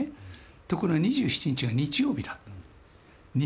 ところが２７日が日曜日だ。